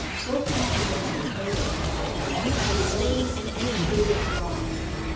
" Wolfgang presented his oboe concerto to the oboist Friedr. Ramm (b.